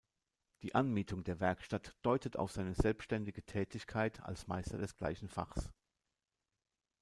Die Anmietung der Werkstatt deutet auf seine selbstständige Tätigkeit als Meister des gleichen Fachs.